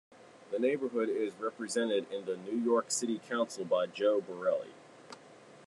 The neighborhood is represented in the New York City Council by Joe Borelli.